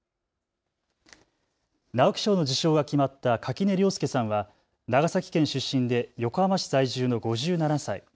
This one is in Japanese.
直木賞の受賞が決まった垣根涼介さんは長崎県出身で横浜市在住の５７歳。